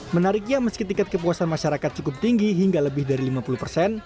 menariknya meski tingkat kepuasan masyarakat cukup tinggi hingga lebih dari lima puluh persen